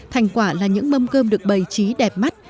thành quả là những mâm cơm được bày trí đẹp mắt